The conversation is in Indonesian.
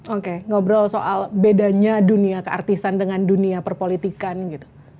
oke ngobrol soal bedanya dunia keartisan dengan dunia perpolitikan gitu